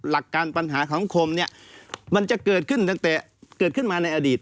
หลักการปัญหาของคมเนี่ยมันจะเกิดขึ้นตั้งแต่เกิดขึ้นมาในอดีต